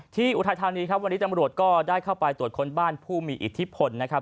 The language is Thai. อุทัยธานีครับวันนี้ตำรวจก็ได้เข้าไปตรวจค้นบ้านผู้มีอิทธิพลนะครับ